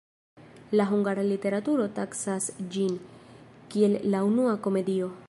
La hungara literaturo taksas ĝin, kiel la unua komedio.